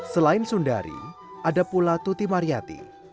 selain sundari ada pula tuti mariyati